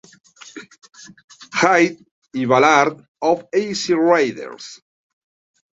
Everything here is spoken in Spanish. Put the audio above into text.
Hyde" y "Ballad of Easy Rider".